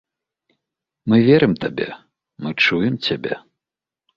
Мы верым табе, мы чуем цябе.